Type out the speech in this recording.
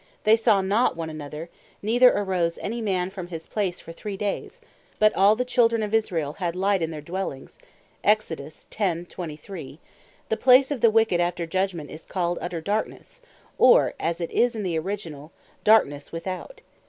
"They saw not one another, neither rose any man from his place for three days; but all the Children of Israel had light in their dwellings;" the place of the wicked after Judgment, is called Utter Darknesse, or (as it is in the originall) Darknesse Without.